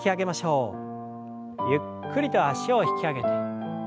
ゆっくりと脚を引き上げて。